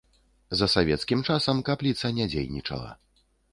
За савецкім часам капліца не дзейнічала.